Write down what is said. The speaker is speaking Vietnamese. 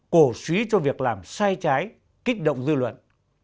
cổ suý cho việc làm sai trái kích động dư luận